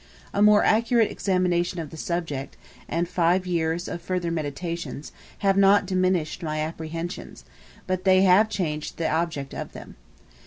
A more accurate examination of the subject, and five years of further meditations, have not diminished my apprehensions, but they have changed the object of them.